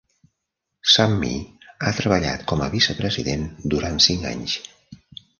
Summey ha treballat com a vicepresident durant cinc anys.